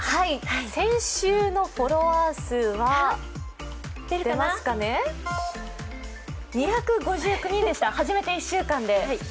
先週のフォロワー数は２５９人でした始めて１週間で。